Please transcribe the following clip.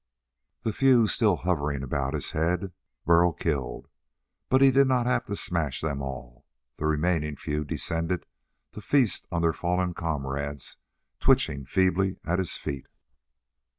The few still hovering about his head, Burl killed, but he did not have to smash them all. The remaining few descended to feast on their fallen comrades twitching feebly at his feet.